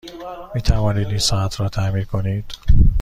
می توانید این ساعت را تعمیر کنید؟